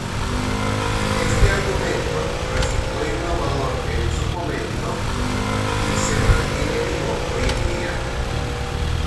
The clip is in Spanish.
Este argumento resultó innovador en su momento y se mantiene vivo hoy en día.